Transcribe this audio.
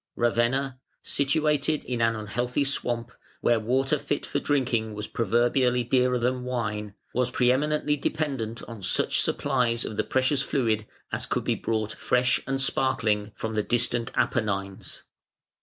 Ravenna, situated in an unhealthy swamp where water fit for drinking was proverbially dearer than wine was pre eminently dependent on such supplies of the precious fluid as could be brought fresh and sparkling from the distant Apennines.